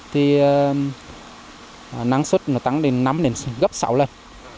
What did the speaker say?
thì nắng xuất nó tăng đến năm đến gấp sáu lần